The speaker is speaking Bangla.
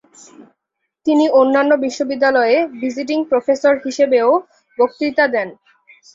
তিনি অন্যান্য বিশ্ববিদ্যালয়ে ভিজিটিং প্রফেসর হিসেবেও বক্তৃতা দেন।